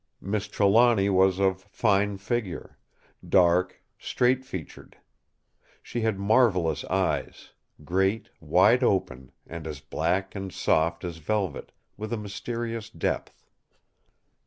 Miss Trelawny was of fine figure; dark, straight featured. She had marvellous eyes; great, wide open, and as black and soft as velvet, with a mysterious depth.